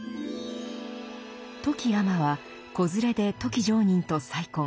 富木尼は子連れで富木常忍と再婚。